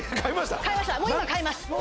もう今買います